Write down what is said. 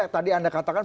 tadi anda katakan